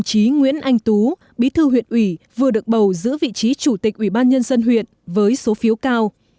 hú bí thư huyện ủy vừa được bầu giữ vị trí chủ tịch ubnd huyện với số phiếu cao